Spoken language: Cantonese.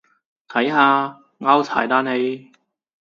睇下，拗柴喇你